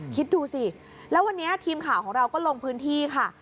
คิดดูสิแล้ววันนี้ทีมข่าวของเราก็ลงพื้นที่ค่ะ